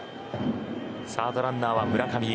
サードランナーは村上。